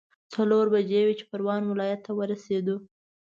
څلور بجې وې چې پروان ولايت ته ورسېدو.